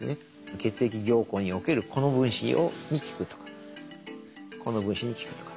血液凝固におけるこの分子に効くとかこの分子に効くとか。